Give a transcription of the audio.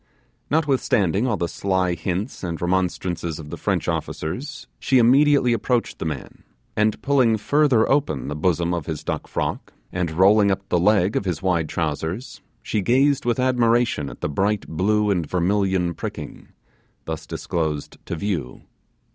Notwithstanding all the sly hints and remonstrances of the French officers, she immediately approached the man, and pulling further open the bosom of his duck frock, and rolling up the leg of his wide trousers, she gazed with admiration at the bright blue and vermilion pricking thus disclosed to view.